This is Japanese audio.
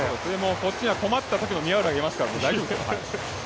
こっちには困ったときの宮浦がいますからね、大丈夫です。